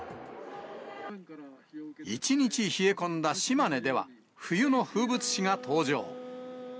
一日冷え込んだ島根では、冬の風物詩が登場。